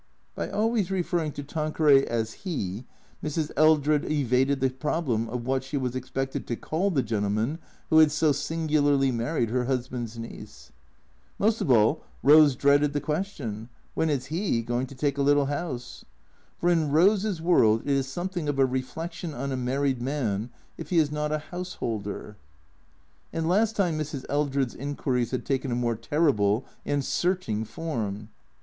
(By always referring to Tanqueray as " 'E," Mrs. Eldred evaded the problem of what she was expected to call the gentleman who had so singularly married her husband's niece.) Most of all Rose dreaded the question, "Wen is 'E goin' to take a little 'ouse?" For in Rose's world it is somewhat of a reflection on a married man if he is not a householder. And last time Mrs. Eldred's inquiries had taken a more ter rible and searching form.